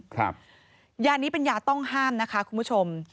ยานี้เป็นยาต้องห้ามนะคะคุณผู้ชม